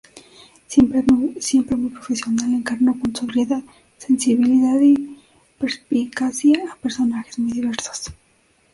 Siempre muy profesional, encarnó con sobriedad, sensibilidad y perspicacia a personajes muy diversos.